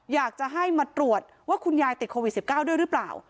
อยากจะให้มาตรวจว่าคุณยายติดโควิด๑๙ด้วยหรือเปล่า